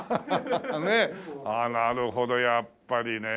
ああなるほどやっぱりね。